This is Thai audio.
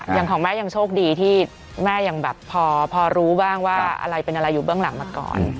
อย่างของแม่ยังโชคดีที่แม่ยังแบบพอรู้บ้างว่าอะไรเป็นอะไรอยู่เบื้องหลังมาก่อน